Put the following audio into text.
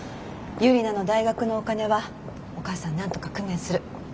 ユリナの大学のお金はお母さんなんとか工面する。